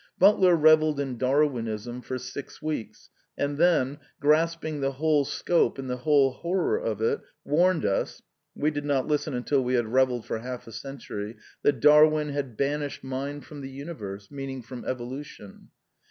Butler revelled in Darwinism for six weeks and then, grasping the whole scope and the whole horror of it, warned us (we did not listen until we had revelled for half a century) that Darwin had ''banished mind from the universe," mean ing from Evolution.